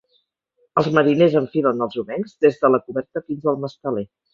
Els mariners enfilen els obencs des de la coberta fins al masteler.